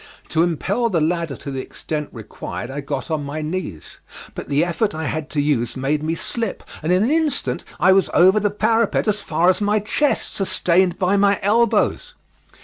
To impel the ladder to the extent required I got on my knees, but the effort I had to use made me slip, and in an instant I was over the parapet as far as my chest, sustained by my elbows.